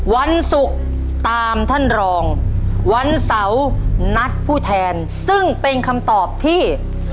วันศุกร์ตามท่านรองวันเสาร์นัดผู้แทนซึ่งเป็นคำตอบที่